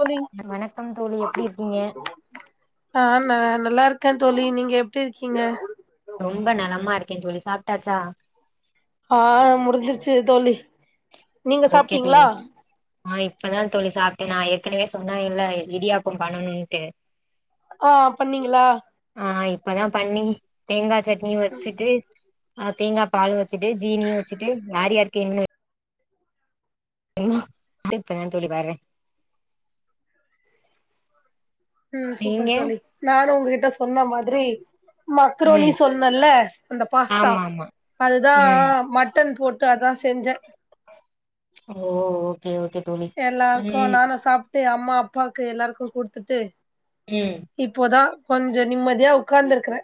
தோழி வணக்கம் தோழி எப்டி இருக்கீங்க? ஆ நா நல்லா இருக்கே தோழி நீங்க எப்டி இருக்கீங்க? ரொம்ப நெலமா இருக் கேன் தோழி சாப்ட்டாச்சா ஆ முடிஞ்சுருச்சு தோலி நீங்க ஓகே தோழி சாப்ட்டீங்ளா ஆ இப்பதா தோளி சாப்ட்டே நா ஏற்கனவே சொன்ன இல்ல இடியாப்பம் பண்ணணும்ன்ட்டு ஆ பண்ணீங்களா ஆ இப்பதா பண்ணி தேங்கா சட் நீ வச்சிட்டு ஆ தேங்கா பாளு வரது சிட்டு ஜீனியும் வச்சிட்டு யாருயாரு கேன்னு எம்மா இப்ப தான் தோளி வர்றே உம் நீங்க சூப்பர் தோளி நானு உங்ககிட் ட சொன்ன மாதுரி மக்ரோனி ம் சொன்னல்ல அந்த பாஸ்தா ஆமா ஆமா அதுதா ம் மட்டன் போட் அதா செஞ்ச ஓ ஓ எல்லார்க்கு நானு சாப் ட்டு அம்மா அப்பாக்கு எல்லார்க்கும் குடுத்துட்டு ம் இப்போதா கொஞ்சோ நம்மதியா உக்காந்துருக்குறே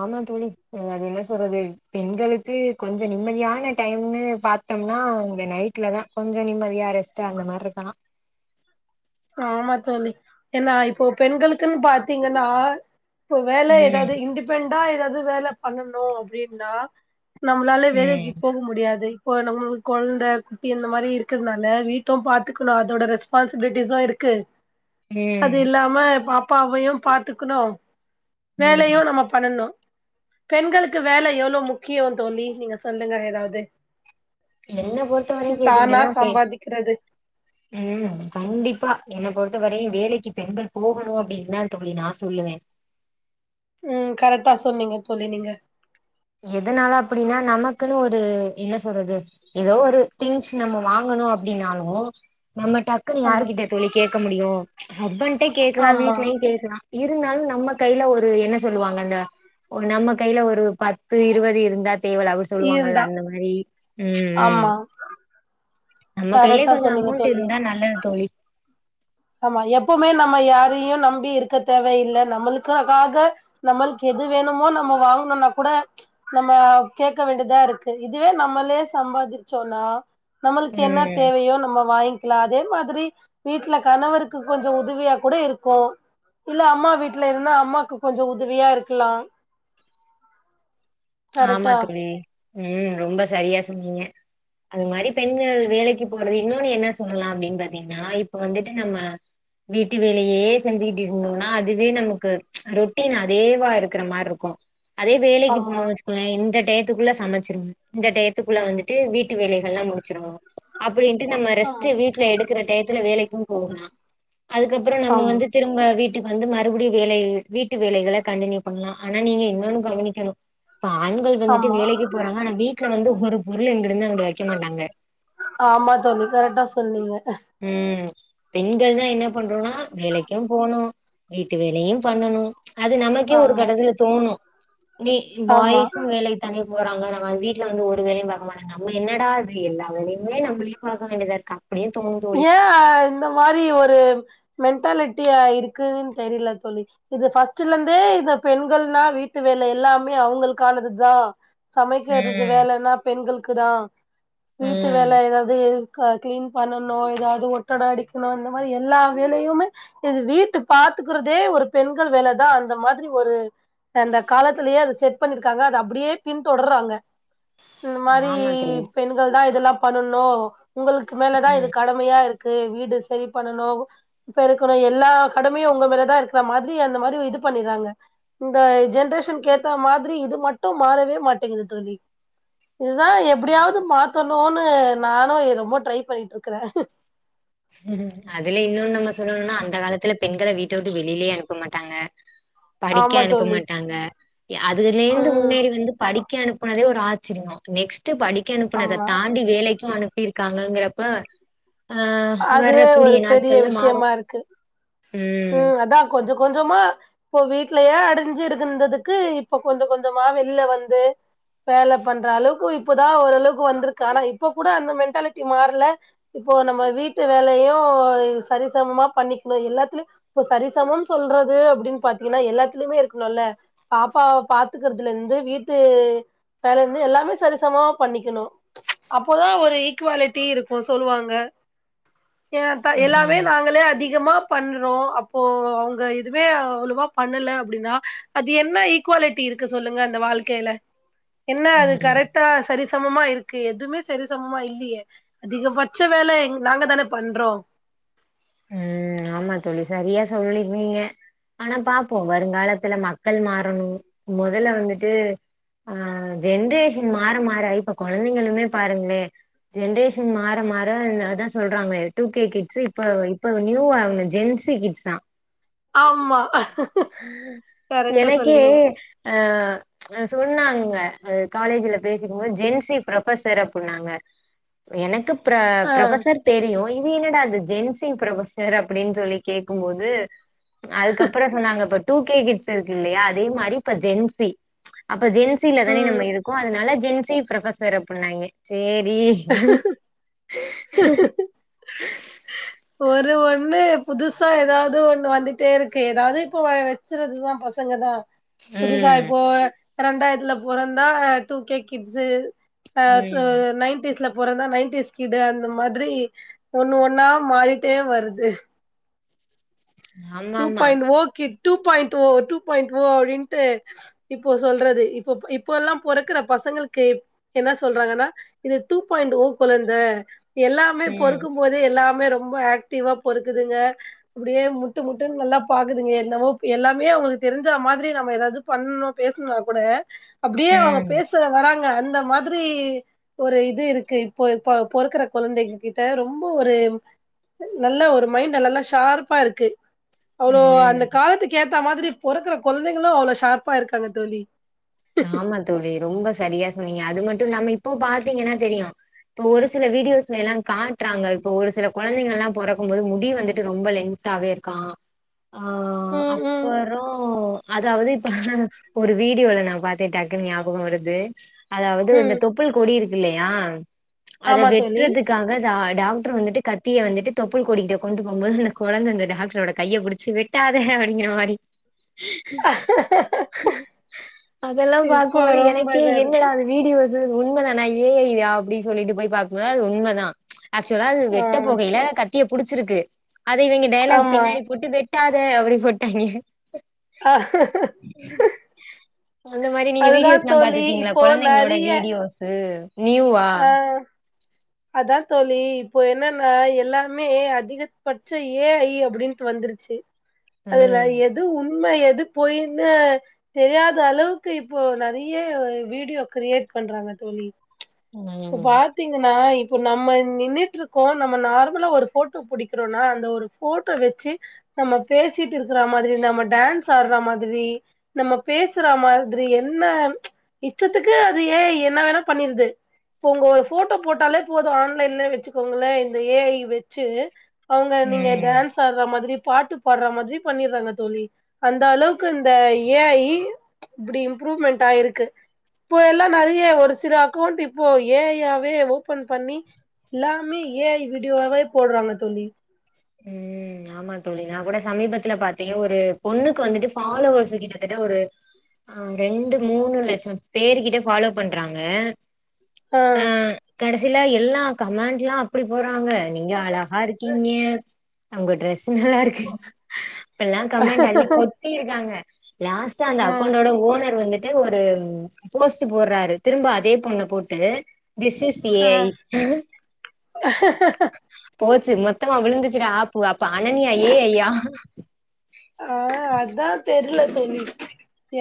ஆமா தோளி அது என்ன சொல்றது பெண்களுக்கு கொஞ்சு நிம்மதியான டைம்ன்னு பாத்தோம்னா இந்த நைட்லதா கொஞ்சு நிம்மதியா ரெஸ்ட் அந்த மார்ருக்கலா ஆமா தோழி ஏன்னா இப்போ பெண்களுக்குன் பாத்தீங்கன்னா ப்போ வேல ம் ஏதாவ்து இன்டிபென் டா எதாது வேல பண்ணனு அப்டின்னா நம்ளாலே வேலேக்கி ம் போக முடியாதே ப்போ நம்ளுக்கு குழந்தை குட்டி இந்தமாரி இருக்கதுனால வீட்டு பாத்துக்கணு அதோட ரெஸ்பான்சிபிலிட்டி டிசோ இருக்கு அது ம் இல்லாம பாப் ப்பாவையும் பாத்துக்குணும் ம் வேலயு நம்ம பண்ணணு பெண்களுக்கு வேல எவ்ளோ முக்கியொ தோளி நீங்க சொல்லுங்க ஏதாவது என்ன பொறுத்த வரையும் தானா கேட்டீங்கேன்னா பே சம்பாதிக்கிறது ம் கண்டிப்பா என்ன பொறுத்த வரையு வேலைக்கு பெண்கள் போகணு அப்படின்ந்தா தோழி நா சொல்லுவே உம் கரெட்டா சொன்னீங்க தோளி நீங்க எதுனால அப்புடின்னா நமக்குன்னு ஒரு என்ன சொல்றது ஏதோ ஒரு திங்ஸ் நம்ம வாங்கணு அப்டின்னாலு நம்ம டக்குன்னு யாரு ஆமா கிட்ட தோழி கேக்க முடியு ஹஸ்பண்டே கேக்குலா ஆமா வீட்லயும் கேக்குலா இருந்தாலும் நம்ம கையில ஒரு என்ன சொல்லுவாங்க அந்த ஒரு நம்ம கையில ஒரு பத் [unintelligible] இருவது இருந்தா தேவல்ல அப்டி சொல்லுவாங்கல்ல இருந்தா அந்த மாரி, உம் உம், ஆமா நம்ம கைலே கரெக்டா கொஞ்சம் சொன்னீங்க அமௌண்ட் தோழி இருந்தா நல்லது தோழி ஆமா எப்பவுமே நம்ம யாரையும் நம்பி இருக்க தேவையில்ல நம்மக்கக்காக நம்மளுக்கு எது வேணுமோ நம்ம வாங்கணும்னா கூட நம்ம கேக்க வேண்டியதா இருக்கு இதுவே நம்மளே சம்பாதிச்சோம்னா நம்மளுக்கு என்ன ம் தேவையோ நம்ம வாங்கி கிலா அதே மாதிரி வீட்டுல கணவருக்கு கொஞ்சோ உதவியா கூட இருக்கும் இல்ல அம்மா வீட்டுல இருந்தா அம்மாக்கு கொஞ்சோ உதவியா இருக்கலாம். ஆமா கவி. உம் ரொம்ப செரியா சொன்னீங்க அது மாரி பெண்கள் வேலைக்கு போறது இன்னொன்னு என்ன சொல்லலா அப்படின்னு பாத்தீங்கன்னா இப்ப வந்துட்டு நம்ம வீட்டு வேலையே செஞ்சுக்கிட்டு இருந்தோம்னா அதுவே நமக்கு ரொட்டீன் அதேவா இருக்கிற மாரி இருக்கும் அதே வேலைக்கு ஆமா போனுனு வச்சு னை இந்த டயத்துக்குள்ள சமைச்சிருவே இந்த டயத்துக்குள்ள வந்துட்டு வீட்டு ட்டு வேலைகளெல்லா முடுச்சுருவோம் அப்படின்ட்டு நம்ம ஆமா ரெஸ்டு வீட்டுல எடுக்கிற டைத்துல வேலைக்கும் போகலா அதுக்கப்புறம் நம்ம ஆமா வந்து திரும்ப வீட்டு ட்டு வந்து மறுபடியும் வேலை வீட்டு வேலைகளை கண்டியூ பண்ணலாம் ஆனா நீங்க இன்னொன்னு கவனிக்கணும் இப்ப ஆண்கள் வந்துட்டு ஆமா வேலைக்கு போறாங்க ஆனா வீட்டு்ல வந்து [unintelligible] அங்கிட்டு வைக்க மாட்டாங்க ஆமா தோழி கரெட்டா சொன்னீங்க. உம். பெண்கள்னா என்ன பண்றோம்னா ஆ வேலைக்கும் போணும் வீட்டு வேலையும் பண்ணணும். அது நமக்கே ஒரு ஆமா கட்டத்துல தோணும். நீ ஆமா பாய்ஸும் வேலை தானே போறாங்க நம் வீட்டு வந்து ஒரு வேலயும் பாக்க மாட்டாங்க நம்ம என்னடா இது எல்லா வேலையுமே நம்மளையும் பாக்க வேண்டியத இருக்கு அப்டின் ஏ ஆ இந்த மாரி ஒரு மென்டாலிட்டியா இருக்குதுன்னு தெரியில தோழி இது ஃபஸ்ட்ல இருந்தே இந்த பெண்கள்னா வீட்டு வேலை எல்லாமே அவ்ங்களுக்கானது தான் சமைக்கிறது ம் வேலன்னா பெண்கள் க்குதா வீட்டு ம் வேல ஏதாவது இரு கா கிளீன் பண்ணணு னோ ஏதாவது ஒட்டட அடிக்கணும் அந்த மாரி எல்லா வேலையுமே இது வீட்டு பாத்துக்கிறதே ஒரு பெண்கள் வேலதான் அந்த மாதிரி ஒரு அந்த காலத்திலேயே அது செட் பண்ணிருக்காங்க அது அப்படியே பின்தொடர்றாங்க. இந்த மாரி ஆமா தோழி பெண்கள் தா இதெல்லாம் பண்ணனோ உங்களுக்கு மேல தான் இது ம் -ம்மையா இருக்கு வீடு சேரி பண்ணணு பெருக்கணு எல்லா கடமையு உங்க மேலதா இருக்கிற மாதிரி அந்த மாதிரி இது பண்ணிறாங்க இந்த ஜென்ரேஷன்கு ஏத்த மாதிரி இது மட்டு மாறவே மாட்டேங்குது தோழி இதுதா எப்டியாவது மாத்தோன் னோனு நானு இ-‌ ரொம்ப ட்ரை பண்ணிட்டுருக்க க்குற அதுல இன்னொன் நம்ம சொல்லணுனா அந்த காலத்துல பெண்கள வீட்ட வுட்டு வெளிலயே அனுப்ப மாட்டாங்க படிக்க ஆமா அனுப்ப தோழி மாட்டாங்க அதுகல இருந்து ம் முன்னேறி வந்து படி கே அனுப்புனதே ஒரு ஆச்சர்யோ நெக்ஸ் படிக்க அனுப்புனத ஆமா தாண்டி வேலைக்கு அனு இருக்காங்கங்கிறப்ப அ அதுவே ஒரு பெரிய விஷயமா இருக்கு ம் அதா கொஞ்சோ கொஞ்சமா இப்போ வீட்லயே அடைஞ்சு இருந்ததுக்கு இப்போ கொஞ்சோ கொஞ்சமா வெள்ல வந்து வேல பண்ற அளவுக்கு இப்போதா ஓரளவுக்கு வந்துருக்கு ஆனா இப்போ கூட அந்த மென்டாலிட்டி மாறல இப்போ நம்ம வீட்டு வேலையு சரிசமமா பண்ணிகணு எல்லாத்துலயு இப்ப சரிசமம் சொல்றது அப்டின் பாத்தீங்கனா எல்லாத்துலயுமே இருக்கணுல்ல பாப்பாவ பாத்துக்கிறதுல இருந்து வீட்டு வேல இருந்து எல்லாமே சரிசமமா பண்ணிக்கணு அப்போதா ஒரு ஈக்வாலிட்டி இருக்கு சொல்லுவாங்க தா-எல்லாமே ம். நாங்களே அதிகமா பண் அப்றோ அப்போ அவங்க இதுவே அவலவா பண்ணல அப்டினா அது என்ன ஈக்வாலிட்டி இருக்கு சொல்லுங்க அந்த வாழ்க்கையில என்ன அது ம். கரெக்டா சரி சமமா இருக்கு எதுமே சரி சமமா இல்லயே அதிகபட்ச வேல நாங்க தானே பண்றோ ம் ஆமா தோழி சரியா சொல்லிருந்தீங்க ஆனா பாப்போ வருங்காலத்துல மக்கள் மாறணு முதல வந்துட்டு ஆ ஜென்ரேஷன் மாற மாற இப்ப கொழந்தைங்களுமே பாருங்களே ஜென்ரேஷன் மாற மாற அதா சொல்றாங்களே டூ கே கிட்ஸ் இப்ப இப்ப நியூ ஆகணு ஜென்ஸு கிட்ஸ் ஆ ஆம்மா எனக்கே அ சொன்னாங்க அ காலேஜ்ல பேசிக்கு போது ஜென்சி ப்ரொபசர் அப்பின்னாங்க எனக்கு ப்ர ஆ ப்ரபசர் தெரியு இது என்னடா அந்த ஜென்சி ப்ரபசர் அப்டின் சொல்லி கேக்கும்போது அதுக்கப்பறோ இப்போ டூ கே கிட்ஸ் இருக்குல்லயா அதே மாரி இப்ப ஜென்சி அப் இப்ப ஜென்சில தானே நம்ம ம் இருக்கோ அதனால ஜென்சி ப்ரொபசர் அப்பனாங்க சேர் ஒரு ஒ ஒண்ணு புதுசா ஏதாது ஒண்ணு வந்துட்டே இருக்கு ஏதாது இப்ப வச்சறதுதா பசங்க தா புதுசா ம் இப்போ ரெண்டாயித்துல பொறந்தா டூ கே கிட்ஸு அ ம் நைன்டிஸ் ல பொறந்தா நைன்டிஸ் கிட்டு அந்த மாதிரி ஒண்ணு ஒன்னா மாறிட்டே வருது. டு ஆமாமா பாயிண்ட் ஓ கிட். டு பாயிண்ட் ஓ டு பாயிண்ட் ஓ அப்படின்ட்டு இப்போ சொல்றது இப்போஇப் இப்போலான் பொறக்கற பசங்களுக்கு என்ன சொல்றாங்கன்னா இது டு பாயிண்ட் ஓ குழந்தா. எல்லாமே ம் பொறுக்கும் போதே எல்லாமே ரொ ரொம்ப ஆக்டிவா பொறக்குதுங்க அப்டியே மு முட்டு முட்டுன்னு நல்லா பாக்குதுங்க என்னவோ எல்லாமே அவுங்களுக்கு தெரிஞ்சா மாரி நம்ம ஏதாவது பண்ணோ பேசனா கூட. அப்டியே அவுங்க ம் பேச வராங்க அந்த மா மாரி ஒரு இது இருக்கு இப்போ இப்ப பொறக்கற கொல்ந்தைங்க கிட்ட ரொம்ப ஒரு நல்ல ஒரு மைண்ட நல்லா ஷார்ப்பா இருக்கு. அவ்ளோ ம் அந்த காலத்து கே இந்த மாதிரி பொறக்கற குழந்தைகளும் அவ்ளோ ஷார்பா இருக்காங்க தோழி. ஆமா தோழி ரொம்ப சரியா சொன்னீங்க அது மட் டுலாம இப்போ பாத்தீங்கன்னா தெரியு இப்போ ஒரு சில வீடியோஸ்லைலா காட்றாங்க இப்ப ஒரு சில கொழந்தைங்கள்ளா பொறக்கும் போது முடி வந்துட்டு ரொம்ப லென்தாவே இருக்கா ஆஹ் ம், ம். அப்பறோ. அதாவது இப்ப ஒரு வீடியோல நா பாட்டே டக்குனு ஞாபகோ வருதே. அதாவது இந்த ம். தொப்புள் கொடி இரு இல்லையா? அத ஆமா தோழி. வெட்றதுக்காக தா டாக்டர் வந்துட்டு கத்திய வந்துட்டு தொப்புள் கொடிக்கிட்டு கொண்டு போம்போது அந்த குழந்தை அந்த டாக்டரோட கைய புடிச்சு வெட்டாத அப்படிங்ற மாரி இதெல்லா இப்போ பாக்கும்போது ரொம்ப எனகே இதா இருக்கு. என்னாடா அது வீடியோ பேசுறது உண்மதானா ஏ ஐ யா அப்டி சொல்லிட்டு போய் பாக்குபோது அது உண்மதா ச் ஆச்சுவலா அது ஆ வெட்டப்போகையில கட் திய புடிச்சிருக்கு. அத இவைங்க டையலாக் ஆமா. பின்னாடி போட்டு. [unintelligible] அப்டி போட்டாய்ங்க. அந்த மாரி நீங்க அதுதான் வீடியோஸ்லா தோழி. பாத்துருக்கீங்களா இப்போ கொலந்தைங்களோட நெறைய வீடியோசு. நியூவா. அதா தோழி இப்போ என்னன்னா எல்லாமே அதிகபட்சம் ஏ ஐ அப்டின்னுட்டு வந்துருச்சு. அதுல ம் எது உண்மை எது போயின்னு தெரியாத அளவுக்கு இப்போ நறைய வீடியோ கிரியேட் பண்றாங்க தோழி. இப்ப ம் பாத்தீங்கனா. இப்போ நம்ம நின்ட்ருக்கோ நம்ம நார்மலா ஒரு போட்டோ புடிக்கிறோன்னா, அந்த ஒரு போட்டோ வெச்சு நம்ம பேசிட்டு இருக்கற மாத்ரி, நம்ம டான்ஸ் ஆடற மாத்ரி, நம்ம பேசுறா மாத்ரி, என்ன இஷ்டத்துக்கு அது ஏ ஐ என்ன வேணா பண்ணிருது. போ உங்க ஒரு போட்டோ போட்டாலே போதும், ஆன்லைன்ல வெச்சுக்கோங்களே இந்த ஏ ஐ வெச்சு. அவுங்க நீங்க ம் டான்ஸ் ஆடற மாதிரி பாட்டு பாடற மாத்ரி பண்ணிடுறாங்க தோழி, அந்த அளவுக்கு இந்த ஏ ஐ இப்டி இம்ப்ரூவ்மெண்ட்டாயிருக்கு. இப்போ எல்லா நெறைய ஒரு சில அக்கவுண்ட் இப் இப்போ ஏ ஐ யாவே ஓபன் பண்ணி எல்லாமே ஏ ஐ வீடியோவாவே போடறாங்க தோழி. உம் ஆமா தோழி நா கூட சமீபத்துலப் பார்த்தீங்க ஒரு பொண்ணுக்கு வந்துட்டு ஃபாலோவர்ஸ் கிட்டத்தட்ட ஒரு ஆஹ் ரெண்டு, மூணு லட்சோ பேருக்கிட்ட ஃபாலோ பண்றாங்க. ஆ கடைசியில எல்லா கமெண்ட்லா அப்டி போட்றாங்க, நீங்க அழகா இருக்கீங்க. அவுங்க ட்ரெஸ் நல்லாருக்கு. இப்பெல்லா கமெண்ட் அள்ளி கொட்டிருக்காங்க. லாஸ்ட்டா அந்த ஆ அக்கோண்டோட ஓனர் வந்துட் ஒரு போஸ்ட் போட்றாரு, திரும்ப அதே பொண்ண போட்டு திஸ் ஸ் ஏ ஆ ஐ போச்சு மொத்தமா விழுந்து கிற ஆப் ஒ அப்ப ஆனன்யா ஏ ஐ-யா [inaudible] ஆஹ் அதா தெர்ல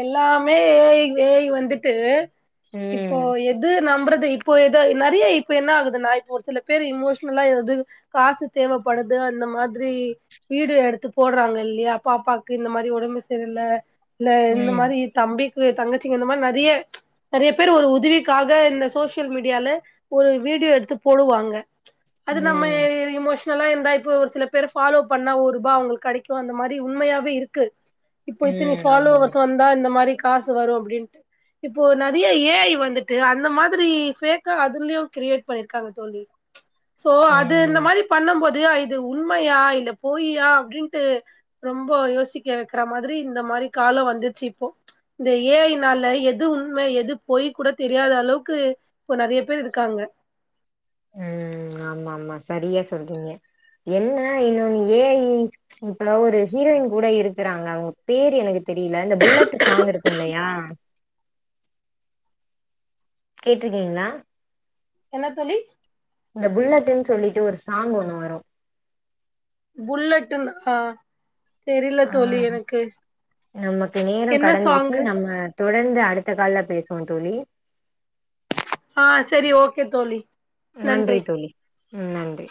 எல்லாமே ஏ ஐ ஏ ஐ வந்துட்டு இப்போ ம் எது நம்பறத் இது இப்போ இது நறைய இப்ப என்ன ஆகுதுன்னா இப்ப ஒரு சில பேர் இமோஷனலா எது காசு தேவப்படது அந்த மாதிரி வீடியோ எடுத்து போடறாங்க இல்லையா பாப்பாக்கு இந்த மாரி ஒடம்பு செரில்ல. இல்ல இந்த ம் மாரி தம்பிக் க்கு தங்கச்சிங்க இந்த மாரி நறைய நறைய பேரு ஒரு உதவிக்காக, இந்த சோசியல் மீடியால ஒரு வீடியோ எடுத்து போடுவாங்க. அது நம்ம ம் இமோஷ் னல்லா இருந்தா இப்போ ஒரு சில பேர் ஃபலோவ் பண்ணா ஒரூபா, அவுங்ளுக்கு கடைக்கு அந்த மாரி. ரி உண்மையாவே இருக்கு. இப்போ இத்தினி ம் ஃபாலோவர்ஸ் ஆமாமா வந்தா இந்த மாரி க காசு வரு அப்டின்ட்டு, இப்போ நறைய ஏ ஐ வந்துட்டு, அந்த மாதிரி ஃபேக்கா அதுலயு கிரியேட் பண்ணிருக்காங்க தோழி. சோ அது இந்த ம் மாரி பண்ணும்போ து இது உண்மையா, இல்ல பொய்யா அப்டின்ட்டு ரொம்போ யோசிக்க வெக்ற மாரி இந்த மாரி காலோ வந்திர்ச்சு இப்போ இந்த ஏ ஐ னால எது உண்ம, எது போய் கூட தெரியாத அளவுக்கு இப்போ நறைய பேர் இருக்காங்க. உம் ஆமா ஆமா சரியா சொல்றீங்க, என்ன இன்னு ஏ ஐ இப்ப ஒரு ஹீரோயின் கூட இருக்கறாங்க, அவுங்க பேரு எனக்கு தெரியல இந்த புல்லட் சாங் இருக்கும் இல்லையா கேட்ருக்கீங்களா என்ன தோழி இந்த புல்லட்டுன் சொல்லிட்டு, ஒரு சாங் ஒண்ணு வரு. புல்லட்டுன் ஆ தெரில தோழி ஆஹ் எனக்கு நமக்கு நேரோ என்ன கடந்துருச்சு சாங்கு நம்ம தொடர்ந்து அடுத்த கால்ல பேசுவோ தோழி. ஆஹ் செரி ஓகே தோழி நன்றி தோழி ம் நன்றி